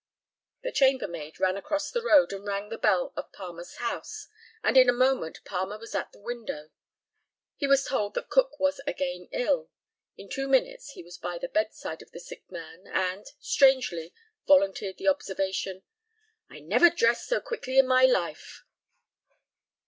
The chambermaid ran across the road, and rang the bell of Palmer's house, and in a moment Palmer was at the window. He was told that Cook was again ill. In two minutes he was by the bedside of the sick man, and, strangely, volunteered the observation, "I never dressed so quickly in my life."